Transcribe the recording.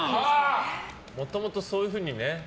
もともとそういうふうにね。